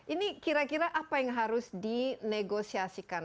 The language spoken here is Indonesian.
ini kira kira apa yang harus dinegosiasikan